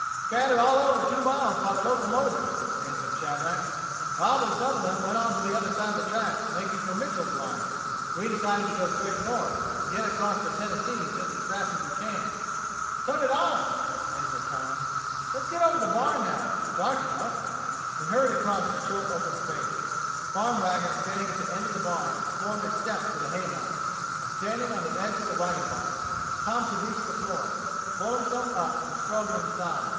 "Scattered all over two miles by the locomotive," answered Shadrack. "Probably some of them went on the other side of the tracks, making for Mitchel's lines. We decided to go straight north and get across the Tennessee just as fast as we can." "So did I," answered Tom. "Let's get over to the barn now. It's dark enough." They hurried across the short open space. A farm wagon standing at the end of the barn formed a step to the hay mow. By standing on the edge of the wagon box, Tom could reach the floor. He pulled himself up and struggled inside.